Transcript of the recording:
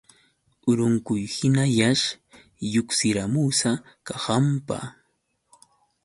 Urunquyhiñallash lluqsiramusa kahanpa.